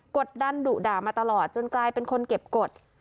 กดดันดุด่ามาตลอดจนกลายเป็นคนเก็บกฎ